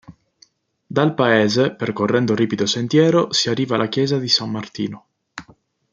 Dal paese, percorrendo un ripido sentiero, si arriva alla chiesa di San Martino.